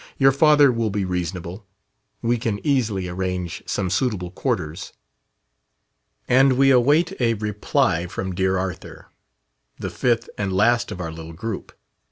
Your father will be reasonable. We can easily arrange some suitable quarters..." And we await a reply from "Dear Arthur" the fifth and last of our little group.